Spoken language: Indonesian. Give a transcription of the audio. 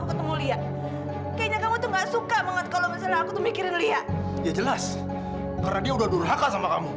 eh gimana sih lu